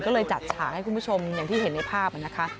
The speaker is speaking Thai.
ก็เลยจัดฉากให้คุณผู้ชมอย่างที่เห็นในภาพนะคะ